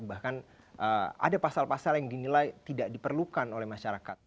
bahkan ada pasal pasal yang dinilai tidak diperlukan oleh masyarakat